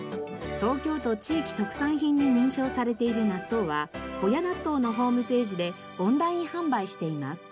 東京都地域特産品に認証されている納豆は保谷納豆のホームページでオンライン販売しています。